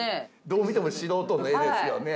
どう見ても素人の絵ですよね。